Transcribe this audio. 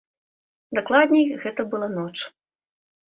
Дакладней, гэта была ноч.